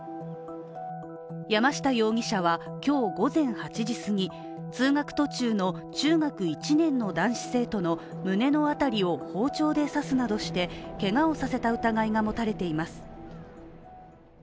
山下容疑者は今日午前８時すぎ通学途中の中学１年の男子生徒の胸の辺りを包丁で刺すなどして、けがをさせた疑いが持たれています。